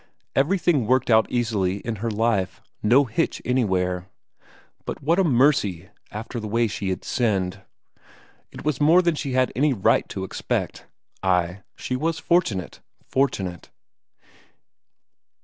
Everything worked out easily in her life, no hitch anywhere. But what a mercy, after the way she had sinned! it was more than she had any right to expect. Ay, she was fortunate, fortunate.